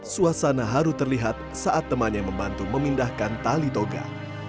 suasana haru terlihat saat temannya membantu memindahkan tali toga